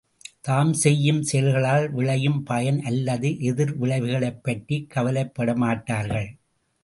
தாம் செய்யும் செயல்களால் விளையும் பயன் அல்லது எதிர் விளைவுகளைப் பற்றிக் கவலைப்பட மாட்டார்கள்.